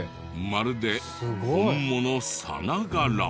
まるで本物さながら。